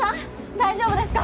大丈夫ですか？